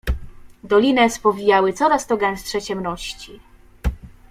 "Dolinę spowijały coraz to gęstsze ciemności."